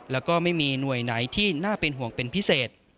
แล้วก็ไม่มีหน่วยไหนที่น่าเป็นห่วงเป็นพิเศษ